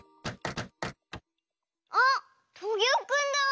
あっトゲオくんだ！